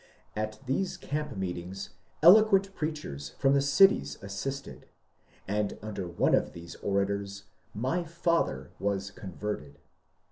At the camp meetings eloquent preachers from the cities assisted, and under one of these orators my father was *^ converted."